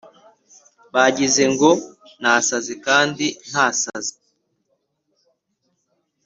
Bagize ngo nasaze kandi ntasaze